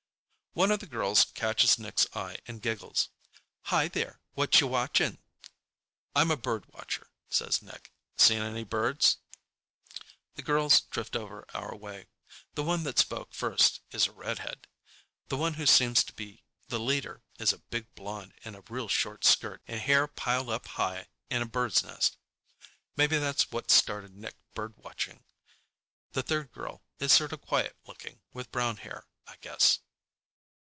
One of the girls catches Nick's eye and giggles. "Hi, there, whatcha watching?" "I'm a bird watcher," says Nick. "Seen any birds?" The girls drift over our way. The one that spoke first is a redhead. The one who seems to be the leader is a big blonde in a real short skirt and hair piled up high in a bird's nest. Maybe that's what started Nick bird watching. The third girl is sort of quiet looking, with brown hair, I guess.